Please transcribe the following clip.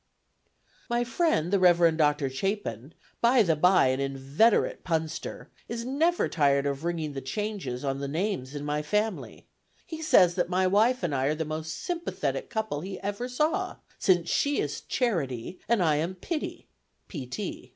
My friend the Rev. Dr. Chapin, by the by an inveterate punster, is never tired of ringing the changes on the names in my family; he says that my wife and I are the most sympathetic couple he ever saw, since she is "Charity" and I am "Pity" (P.